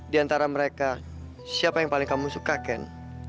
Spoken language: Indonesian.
di antara mereka siapa yang paling kamu suka kan